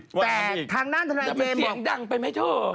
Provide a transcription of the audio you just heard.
แต่ทางนั้นทางนั้นมันเป็นเสียงดังไปไหมโทษ